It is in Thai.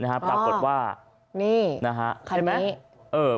ตามกฏว่านี่